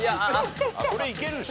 これいけるでしょ。